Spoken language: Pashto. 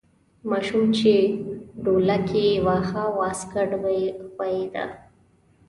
ماشوم چې ډولک یې واهه واسکټ به یې ښویده.